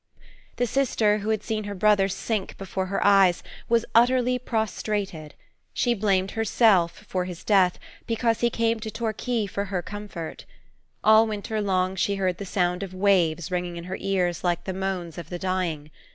The sister, who had seen her brother sink before her eyes, was utterly prostrated. She blamed herself for his death, because he came to Torquay for her comfort. All winter long she heard the sound of waves ringing in her ears like the moans of the dying.